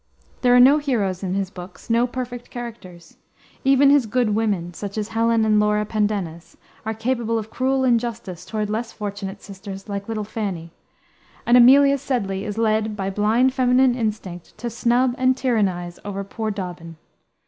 There are no "heroes" in his books, no perfect characters. Even his good women, such as Helen and Laura Pendennis, are capable of cruel injustice toward less fortunate sisters, like little Fanny; and Amelia Sedley is led, by blind feminine instinct, to snub and tyrannize over poor Dobbin.